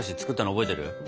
覚えてるよ。